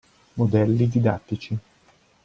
Modelli didattici.